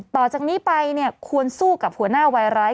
ต่อจากนี้ไปเนี่ยควรสู้กับหัวหน้าวัยร้าย